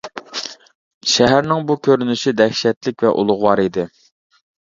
شەھەرنىڭ بۇ كۆرۈنۈشى دەھشەتلىك ۋە ئۇلۇغۋار ئىدى.